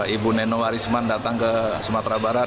ibu nenowarisman datang ke sumatera barat